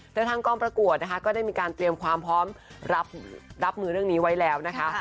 แต่ทางกองประกวดนะคะก็ได้มีการเตรียมความพร้อมรับมือเรื่องนี้ไว้แล้วนะคะ